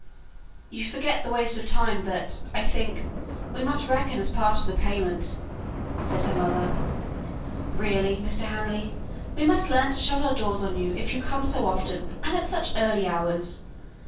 "You forget the waste of time that, I think, we must reckon as part of the payment," said her mother. "Really, Mr. Hamley, we must learn to shut our doors on you if you come so often, and at such early hours!